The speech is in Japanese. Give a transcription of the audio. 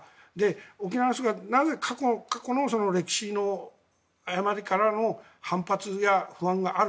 沖縄の人がなぜ過去の歴史の誤りからの反発や不安がある。